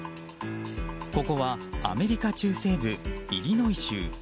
ここはアメリカ中西部イリノイ州。